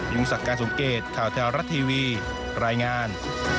ยุ่งสักการณ์สงเกตข่าวแทนรัฐทีวีรายงาน